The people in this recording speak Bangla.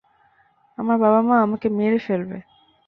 আমার বাবা-মা আমাকে মেরে ফেলবে!